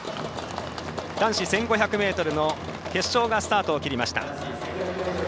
男子１５００ｍの決勝がスタートを切りました。